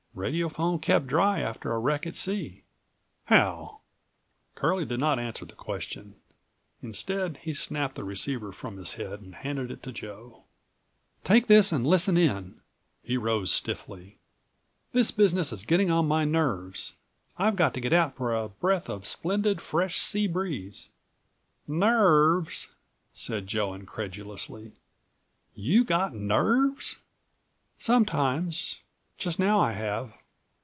"163 "Radiophone kept dry after a wreck at sea." "How?" Curlie did not answer the question. Instead, he snapped the receiver from his head and handed it to Joe. "Take this and listen in." He rose stiffly. "This business is getting on my nerves. I've got to get out for a breath of splendid fresh sea breeze." "Nerves?" said Joe incredulously. "You got nerves?" "Sometimes. Just now I have."